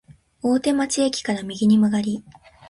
大手町駅から右に曲がり、